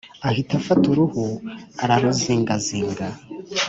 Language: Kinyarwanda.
Ahita Afata Uruhu araruzingazinga,